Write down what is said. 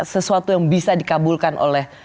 sesuatu yang bisa dikabulkan oleh